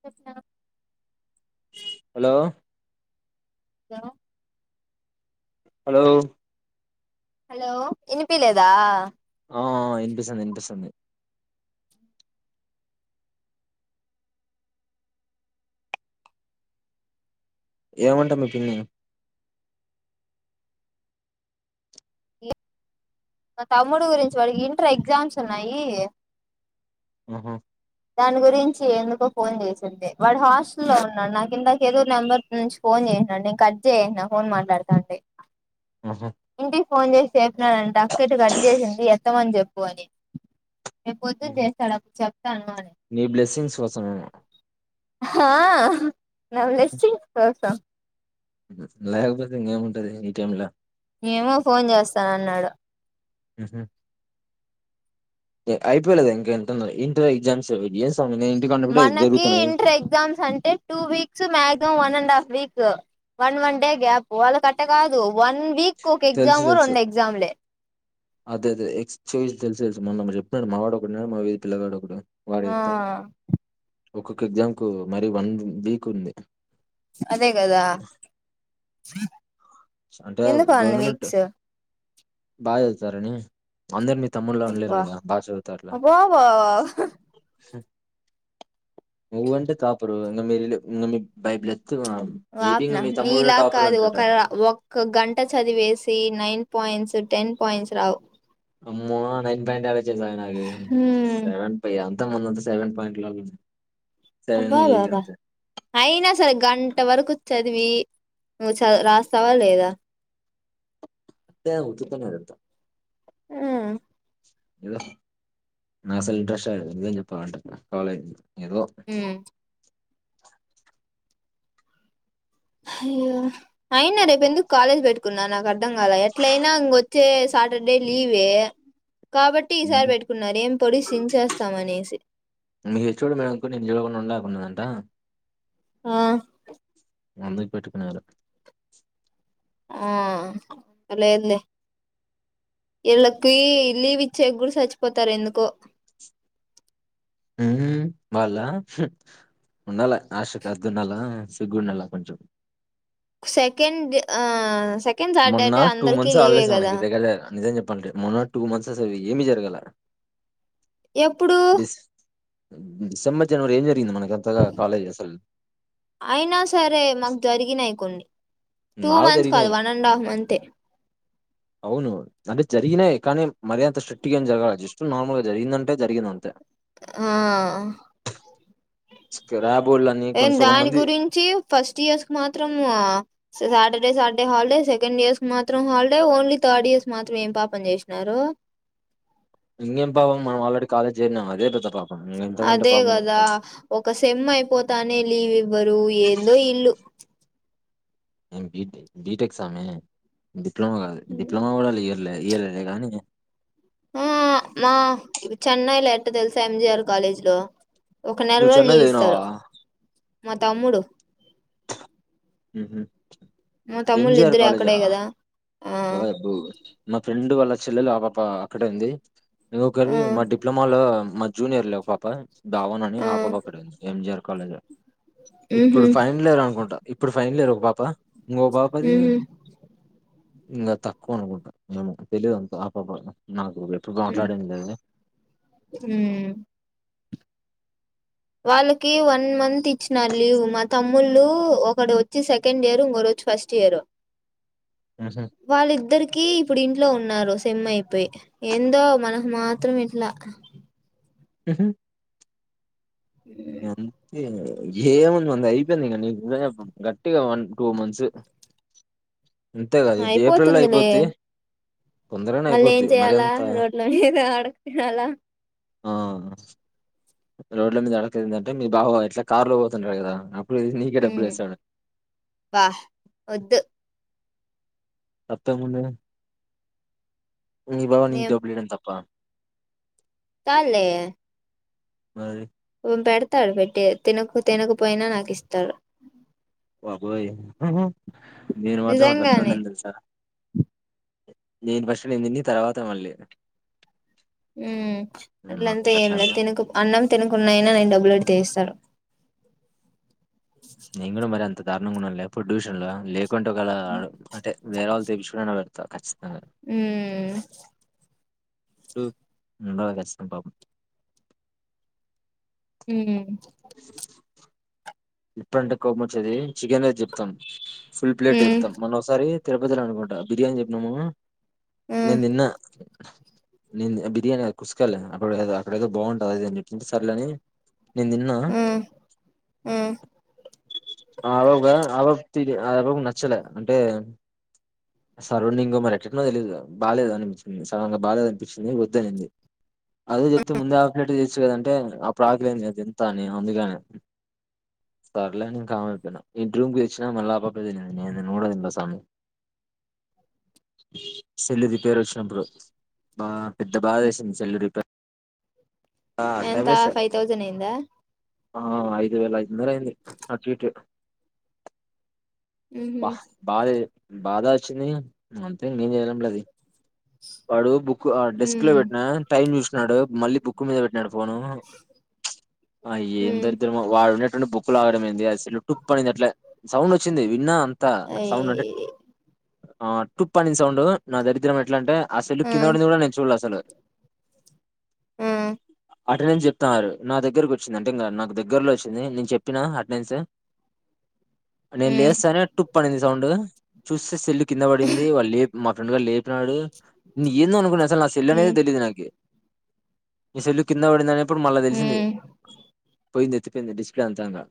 చెప్పునా hello దా hello hello ఇనిపి లేదా ఆ ఇన్పిస్తుంది ఇన్పిస్తుంది. ఏమంటా మీ పిన్ని లే మా తమ్ముడు గురించి వాడికి ఇంటర్ ఎగ్జామ్స్ ఉన్నాయి. ఉహు దాని గురించి ఎందుకో ఫోన్ చేసింది. వాడు హాస్టలో ఉన్నాడు. నాకు ఇంతక ఏదో నెంబర్ నుంచి ఫోన్ చేశనాడు. నేను కట్ జేశనా ఫోన్ మాట్లాడతానంటే ఆహా ఇంటికి ఫోన్ చేసి చెప్పినడంట అక్క ఇట్టు కట్ చేసింది ఎత్తమని జెప్ పోని రేపు పొద్దున్ జేస్తాడు. అప్పుడ్ చేప్ నీ బ్లెస్సింగ్స్ కోసం హా నా బ్లెస్సింగ్స్ కోసం లేకపోతే ఇంకేం ఉంటది ఈ టైమ్లా ఏమో ఫోన్ చేస్తానన్నాడు అయిపోలేదా ఇంక ఇంటర్నల్ ఇంటర్ ఎగ్జామ్స్డిస్ [unintelligible] మనకి ఇంటర్ ఎగ్జామ్స్ అంటే two weeks maximum one and half week one one day gap వాళ్ళ కట్ట కాదు వన్ వీక్ కి ఒక తెలుసు ఎగ్జాము తెలుసు రెండు ఎగజామ్లే అదే అదే ఎక్స్ చే తెలుసు తెలుసు మొన్న ఒకడు చెప్పినడు మా వాడ ఒకడు ఉన్నాడు మా వీధి పిల్లవాడు ఒకడు వాడు ఆ చెప్తాడు ఒక్కొక్క ఎగ్జామ్ కు మరి వన్ వీక్ ఉంది అదే కదా ఎందుకన్ని వీక్స్ బా చదువుతారని అందరి మీ తమ్ముళ్లా ఉండలేరు అబ్బా కదా బా చదువుతారు గా అబ్బబ్బా నువ్వంటే టాపర్ [unintelligible] బైబిల్ ఎ వాప్నా నీలా కాదు ఉంటాడు. ఒక ఓ ఒక గంట చదివేసి నైన్ పాయింట్స్ టెన్ పాయింట్స్ రావు. అమ్మో నైన్ పాయింట్ [unintelligible] [unintelligible] హ్మ్ సెవెన్ పై అంత మొత్తం ఉన్నంత సెవెన్ పాయింట్ల ఉంది అబ్బా బా బ అయినా సరే గంట వరకు చదివి నువ్వు చ రాస్తావా లేదా ఉత్తినే ఉత్తుత్తి నే హ్మ్ ఏదో నా అసలు ఇంట్రెస్టే లేదు నిజం చెప్పాలంటే కాలేజ్ ఏదో హ్మ్ అయినా రేపు ఎందుకు కాలేజ్ పెట్టుకున్నా నాకు అర్ అర్థం కాల ఎట్లయినా ఇంకొచ్చే సాటర్డే లీవే కాబట్టి ఈసారి హ్మ్ పెట్టుకున్నారు ఏం పొడిచి చిం చేేస్తాం అనేసి ద ఆ అందుకు పెట్టుకున్నారు ఆ లేదులే ఈళ్ళకి లీవిచ్చాక గూడ చచ్చిపోతారు ఎందుకో హ్మ్ వాళ్ళ ఉండాలా ఆశకి హద్దుండాలా సిగ్గుండాలా కొంచెం సెకండ్ ఆ సెకండ్ సాటర్డే మొన్న అంటే టూ అందరికి మంత్స్ లీవే హాలీడేసే కదా మనకి దగ్గర దగ్గర నిజం చెప్ అంటే మొన్న టూ మంత్స్ అసలు ఏమి జరగాలే. ఎప్పుడు డిసెంబర్, జనవరి ఏం చెప్ అయినా సరే మాకు జరిగినాయి కొన్ని. టూ నాకు మంత్స్ కాదు జరిగినాయి. వన్ అండా అవును అంటే జరిగినాయి కానీ మరి అంత స్ట్రిక్ట్ గా ఏం జరగాలే జస్ట్ నార్మల్ గా జరిగిందంటే జరిగింది అంతే. ఆ ర్యాబోలని ఏమ్ కొంచెం సగం దాని మంది గురించి ఫస్ట్ ఇయర్స్ కు మాత్రము Saturday Saturday holiday, second years కి మాత్రం హాలిడే, ఓన్లీ థర్డ్ ఇయర్స్ మాత్రం ఏం పాపం చేసినారు. ఇంకేం పాపం మనం ఆల్రెడీ కాలేజ్ చేరినం అదే పెద్ద పాపం. ఇంగ ఇంతకంటే అదే పాపం కదా ఏముంటది? ఒక సెమ్ అయిపోతానే లీవ్ ఇవ్వరు ఏందో ఈళ్లు. బి బిటెక్ సామి డి డిప్లమా కాదు డిప్లమా కూడ అల ఇయ్యా లే ఇయ్యలే లేకానీ ఆ మా చెన్నైలో ఎట్ట తెలుసా ఎం జి ఆర్ కాలేజీ లో ఒక నెల నువ్వు రోజు చెన్నై లీవ్ చదివినావా? ఇస్తారు. మా తమ్ముడు హు హు మా ఎం తమ్ముళ్ళు జి ఆర్ ఇద్దరు కాలేజా అక్కడే కదా ఆ ఓ యబ్బో మా ఫ్రెండ్ వాళ్ల చెల్లెల ఆ పాప అక్కడే ఉంది. ఆ ఇంకొకరివి మా డిప్లమాలో మా జూనియర్ లే ఒ పాప బావన అని ఆ పాప అక్కడే ఉంది ఏం జి ఆర్ కాలేజ్లో ఉహు ఇప్పుడు ఫైనల్ ఇయర్ అనుకుంటా ఇప్పుడు ఫైనల్ ఇయర్ ఒక పాప ఇంకో పాప ది ఉహు ఇంగా తక్కువ అనుకుంటా ఏమో తెలియదు అంత ఆ పాప నాకు ఎప్పుడు మాట్లాడింది లేదు ఉ వాళ్ళకి వన్ మంత్ ఇచ్చినారు లీవ్ మా తమ్ముళ్ళు ఒకడోచ్చి సెకండ్ ఇయర్, ఇంకోడు వచ్చి ఫస్ట్ ఇయర్. హుహు. వాళ్ళిద్దరికి ఇప్పుడు ఇం ఇంట్లో ఉన్నారు సెమ్ అయిపోయి ఏందో మనకు మాత్రం ఇట్లా. హుహు. అంతే ఏముంది మన్నది అయిపోయింది ఇంక నీకు [unintelligible] గట్టిగా వన్ టూ మంత్స్ అంతే కదా! ఇది ఏప్రిల్‌లో అయిపోతుంది లే అయిపోద్ది. తొందరగానే మళ్ళీ ఏం అయిపోద్ది. మరి చేయాలా అంత రోడ్లోమీద హా హా ఆడుక్కు తినాలా ఆ రోడ్ల మీద అడ్కాదింటటే మీ బావా ఇట్ల కార్ లో పోతుంటాడు కదా అప్పుడు నీకే మ్మ్ డబ్బులేస్తాడు. వాహ్ వద్దు అంతకు ముందు నీ బావా నీకు డబ్బులు ఇవ్వడం తప్పా కాదులే మరీ పెడతాడు పెట్టి తినకు తినకపోయినా నాకు ఇస్తాడు బాబోయ్ హ్హ్ హ్హ్ నేను మాత్రం అట్ల ఎప్పుడూ నిజంగానే తినిపించా నేను ఫస్ట్ నేను తిని తర్వాత మళ్ళీ మ్ అట్లంతా ఏం లేదు అట్లంటే తినక ప్ అన్నం తినకున్నాయినా నేను డబ్బులు పెట్టి ఏఇస్తాడు [inaudible] నేను కూడా మరి అంత దారుణంగా ఉండను లే ఫుడ్ విషయంలో లేప్ కొంటవ్ గదా ఆ ప్త్ అంటే వేరే వాళ్ళ తో కలిసి అయినా కడతా ఖచ్చితంగా మ్మ్ తిన్నది కచ్చితంగా పాపం మ్మ్ హ్హ్ [unintelligible] ఎప్పుడంటే కోపం వచ్చేది చికెన్ దే చెప్తం ఫుల్ ప్లేట్ ఉమ్ చేప్తా మొన్నొసారి తిరుపతిలో అనుకుంటా బిర్యానీ చెప్పినాను హ్మ్ నేను తిన్నా నేను తిన్నది బిర్యానీ అది కుసుకాయల అప్పుడు పడదా అప్పుడైతే బాగుంటది అదేని చెప్పేసి సర్లే అని నేను తిన్నా హ్మ్ హ్మ్ ఆబగా ఆబాబ తిదే ఆమెకు నచ్చలే అంటే సరౌండింగ్ మరి ఎట్లేట్లనో తెలియదు ఇగ బాగాలేదు అనిపిస్తుంది సడెన్ గా బాలేదు అనిపించింది వద్దనింది అదే చెపితే ముందే ఆఫ్ ప్లేట్ దెస్ శివంటే అప్పుడు ఆకలైంది అది ఎంత అని అందుకని సర్లేని కామ్ అయిపోయిన ఇంటి రూమ్ కి తెచ్చినా మళ్ళా ఆపపే దిన్న నేను నూడదిన్న సామీ సెల్లు రిపేర్ వచ్చినప్పుడు బా పెద్ద బాధ ఏసింది సెల్ రిపేర్ ఆ! ఎంత డబేసా ఫైవ్ థౌసండ్ అయిందా ఆ ఐదు వేల ఐదు వందలు అయింది అటు ఇటు ఉహు బాహ్ బాదే బాధ వచ్చింది ఇగ అంతే ఇంగ ఏం చేయలేం రా అది వాడు బుక్ డెస్క్ లో హ్మ్ పెట్టినా టైం చూసినడు మళ్ళీ బక్ మీద పెట్టనాడు పోను ఆ ఏం హ్మ్ దరిద్రమా వాడు ఉండటటుే బొక్లాగడం ఏంది అసలు టటుప్ అనింది అట్లా సౌండ్ వచ్చింది విన్నా అంత సౌండ్ అంటే అయి ఆ హా ప అని సౌండ్ నా దరిద్రమే ఎట్లా అంటే ఆ అసలుక్కిందడి ని కూడాన్నా చూడ లో అసలు ఆ అటెండెన్స్ చెప్తున్నారు నా దగ్గరకు వచ్చింది అంటే ఇం నాకు దగ్గరలో వచ్చింది నేను చెప్పినా అటెండెన్స్ అ హ్మ్ లేస్నే టూ పడి సౌండ్ చూస్తేెల్ కింద పడింది వాళ్ళు మా ఫ్రెండ్ గారు లేపినాడు ఏందో అనుకుంటన్నా అస నా సల్ అనేది హ్మ్ తెలియదు నాకు ఇసెలు కందన్న వడిందనే ఇప్పుడు మళ్ళా తెలిసింది హ్మ్ పోయింది ఎత్తిపోయింది డిస్ప్లే అంతంగా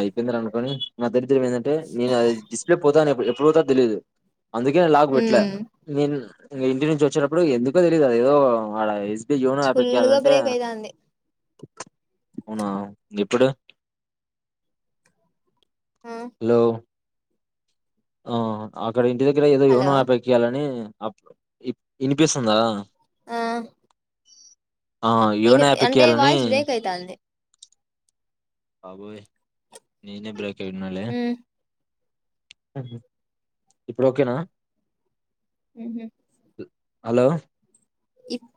అయిపోయిందార అనుకోని మా త్ ఏంటే నేను అది డిస్ప్లే పోతాను చత తెలీదు అందుకే లాగ పెట్లే హ్మ్ నేను ఇంటి నుంచి వచ్చేనప్పుడు ఎందుకో తెలీయదు అద ఏదో ఆడ యోనో ఫుల్ గా బ్రేక్ అయితాంది హనా ఎప్పుడు ఆ హలో ఆ అక్కడ ఇంటిద ఇడ ఏదో యోనో హలో ఆపేయాలని అప్పు వినిపిస్తుందా ఆ ఆ ఇని అంటే ఏనయాపికయాలని వాయిస్ బ్రేక్ అయితాంది అబోయ బ చెడునాల హ్మ్ అది ఇప్పుడు ఓకేనా ఊహూ హలో ఇప్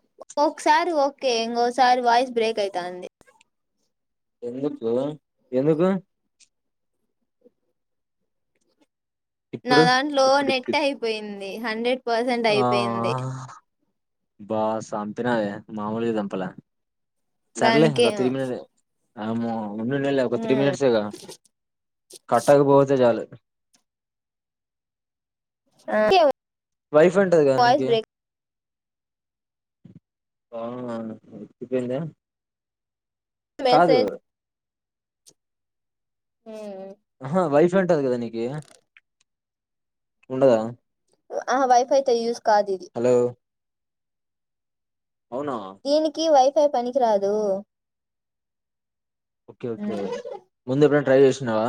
ఓకుసారి ఓకే ఇంగో సారి వాయిస్ బ్రేక్ అయితంది ఎందుకో ఎందుకు నా ఇప్పుడు దాంట్లో ఇప్పుడిప్పుడు నెట్ అయిపోయిం ది హండ్రెడ్ పర్సెంట్ అయిపోయింది ఆ బా సాంపినవే మామూలుగా చంపలె సరలే అదో దానికేమో తీరిమినలే ఆమొ ఉండనీలే ఒక త్రీ హ్మ్ మినిట్సేగా కట్టకుపోతే చాలు ఆ వైఫ్ ఉంటది కద వాయిస్ నీకి బ్రేక్ ఆ ఇపోయిందా మెసేజ్ ఉ ఆహ వై జుటది కదా నీకి ఉండదా ఆ వైఫై తో యూస్ కాదు ఇది హలో అవునా దీనికి వై ఫై పనికి రాదు ఓకే ఓకే ముందు ఎప్పు రన్ ట్రైచేసినావ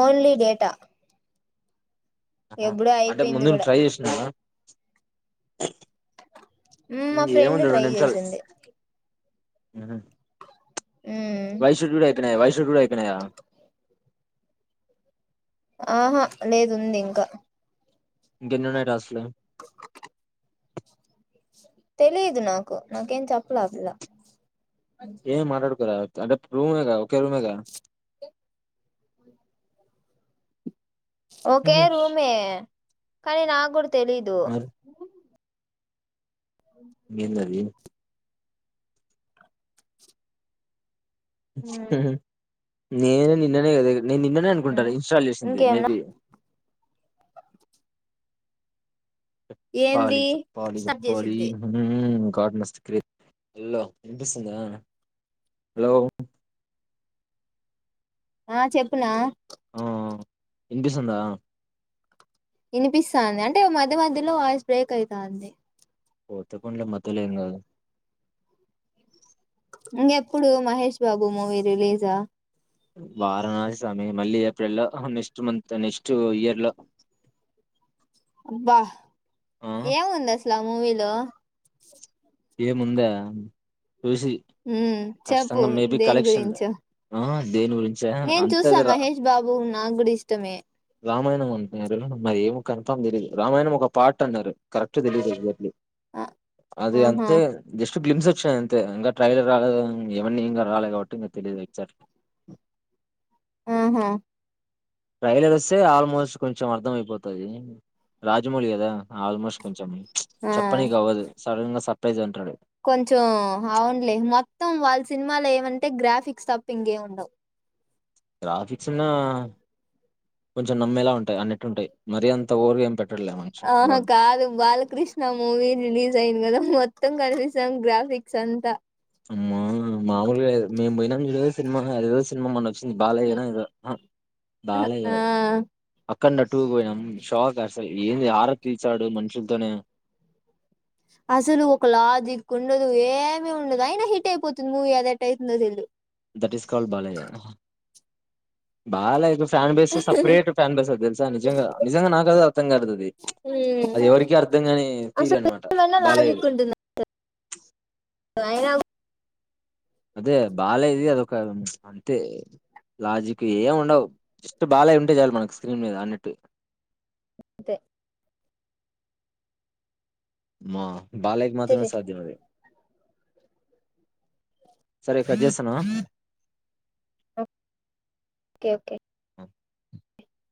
ఓన్లీ డేటా ఎప్పుడో అంటే అయిపోయింది ముందు నువ్వు ట్రై చేసినావ ఉమ్ మా ఫ్రెండ్ ట్రై చేసింది ఆహా వైషు డూడ ఎక్కనియా వైషు డూడ ఎక్కనియా ఆహా లేదు ఉంది ఇంకా ఇంకా ఎన్ని ఉన్నాయి టాసులు తెలీదు నాకు నాకేం చెప్పలే ఆ పిల్ల ఏ మాట్లాడుకోరా అంటే ప్రుమెగా ఒకే రుమేగా ఒకే రూమే కానీ నా గుడ్త్ తెలీదు మరి ఏందది [inaudible] నేను నిన్ననే గదే నేను నిన్ననే అనుకుంటా ఇన్స్టాల్ చేసింది ఇంకేమన్నా మేబి చెప్పాలి ఏంది చెప్పాలి. స్టార్ట్ చెప్పాలి చేసింది హ్మ్ గాడ్ మస్త్ గ్రేట్ హలో వినిపిస్తుంద హలో ఆ చెప్పున్నా ఆ వినిపిస్తంద వినిపిసం పోతే పోనీలే మధ్యల ఏమికాదు ఇంకెప్పుడు మహేష్ బాబు మూవీ రిలీజా వారణాసి స్వామి మళ్ళీ ఏప్రిల్ లో నెక్స్ట్ మంత్ నెక్స్ట్ ఇయర్ లో అబ్బా ఆ ఎం ఉంది అస్ల మూవీలో ఏముందా చూసి హ్మ్ చెప్పు ఖచ్చితంగా మేబీ దేని కలెక్షన్ గురించో ఆ దేని గురించ నేను చూసా అంతేది రా మహేష్ బాబు నాకు కూడా ఇష్టమే రామాయణం అంటున్నారు, మరి ఏమో కన్ఫామ్ తెలీయదు రామాయణం ఒక పాట్ అన్నారు కరెక్ట్ తెలీదు ఎగ్జాక్ట్లీ ఆ అదే అంత ఆహా దే జస్ట్ క్లిప్స్ వచ్ వచ్చయ్ అంతే ఇంక ట్రైలర్ రాల ఎవన్నీ ఇం రాల కాబట్టి ఇంక తెలీదు ఎక్సెక్ట్ ఆహా ట్రెలర్ వస్తే ఆల్మోస్ట్ కొంచెం అర్థంమయిపోతది రాజమౌళి కదా ఆల్మోస్ట్ కొంచెం ఆ చెప్పనీకి అవదు సడన్గా సప్ ప్రజెంటడు కొంచెం అవుంలే మొత్తం వాళ్ళ సినిమాలో ఏమంటే గ్రాఫిక్స్ తప్పింగే ముండవు గ్రాఫిక్స్ ఉన్నా కొంచెం నమ్మేలా ఉంటాయి అన్నిట్టు ఉంటాయి మరీ అంత ఓవరుగా ఏం పెట్ట ఆహ కాదు బాలకృష్ణ మూవీ రిలీజ్ అయింది గదా మో మొత్తం కనిపిస్తాం గ్రాఫిక్స్ అంతా అమ్మా మామూలుగా లేదు మేము పోయినాం చూడు సినిమా అదేదో సినిమా మోన్న చి బాలయ్య ఉమ్, నో ఏదో ఆహా బాలయ్య ఆ కాదు అ అక్కట్టుకు పోయాం షాక్ అసలు ఏంది హరర్ తీసానడు మనుషులతోనే అసలు ఒక లాజిక్ ఉండదు ఏమి ఉండదు, అయినా హిట్ అయిపోతుంది మూవీ అదెట్ట అవుతుందో తెలీదు that is called Balayya Balayya fan base separate fan base అది తెలుసా నిజంగా నిజంగా నాకు అది అర్థంగాదది ఉమ్ అది ఎవరికి అర్థంగాని తీరు అసలు అనమాట ఏమైనా బాలయ్య ధీ అైనా గు అదే బాలయ్య దిఅదొ అంతే లాజిక్ ఏమి ఉండవు జస్ట్ బాలయ్య ఉంటే చాలు మనకు స్క్రీన్ మీద అన్నట్టు అంతే మా బాలయ్య కి మాత్రమే చేసేయ్ సాధ్యం అది సరే కట్ చేస్తున్న ఓకే ఓకే [inaudible]